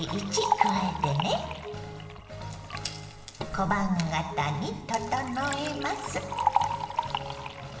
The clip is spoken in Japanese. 小判形に整えます。